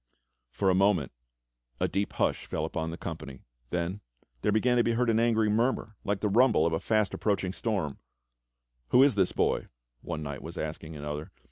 For a moment a deep hush fell upon the company; then there began to be heard an angry murmur like the rumble of a fast approach ing storm. "Who is this boy.?" one knight was asking another.